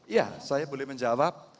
ya saya boleh menjawab